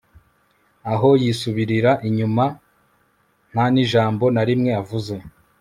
aho yisubirira inyuma ntanijambo narimwe avuze